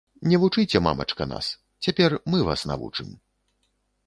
Не вучыце, мамачка, нас, цяпер мы вас навучым.